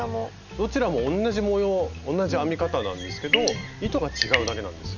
どちらも同じ模様同じ編み方なんですけど糸が違うだけなんですよ。